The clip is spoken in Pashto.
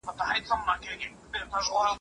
ولي افغان سوداګر طبي درمل له هند څخه واردوي؟